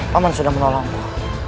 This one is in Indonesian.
paman sudah menolongku